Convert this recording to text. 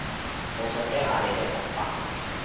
我想聽下你嘅旁白